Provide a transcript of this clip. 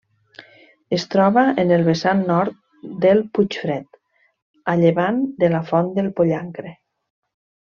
Es troba en el vessant nord del Puigfred, a llevant de la Font del Pollancre.